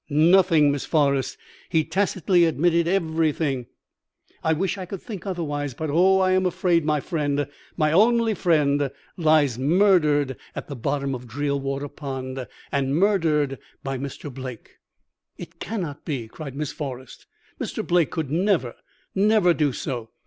"'Nothing, Miss Forrest. He tacitly admitted everything. I wish I could think otherwise; but oh, I am afraid my friend, my only friend, lies murdered at the bottom of Drearwater Pond, and murdered by Mr. Blake.' "'It cannot be!' cried Miss Forrest. 'Mr. Blake could never, never do so.